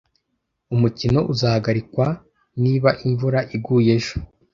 Umukino uzahagarikwa niba imvura iguye ejo.